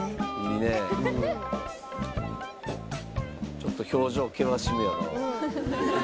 ちょっと表情険しめやな。